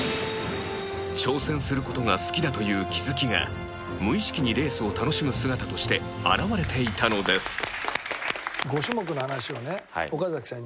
挑戦する事が好きだという気付きが無意識にレースを楽しむ姿として表れていたのです